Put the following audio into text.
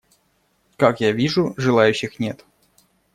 Как я вижу, желающих нет.